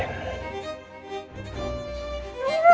ya allah sya